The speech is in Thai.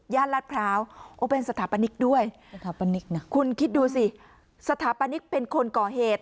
ย่านรัฐพร้าวเป็นสถาปนิกด้วยคุณคิดดูสิสถาปนิกเป็นคนก่อเหตุ